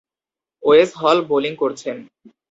ওয়েস Hall bowling করছেন।